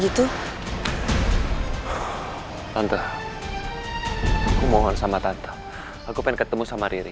itu tante aku mohon sama tante aku pengen ketemu sama riri